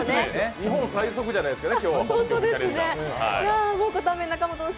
日本最速じゃないですかね。